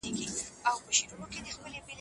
چای د شکر ناروغۍ خطر کمولای شي.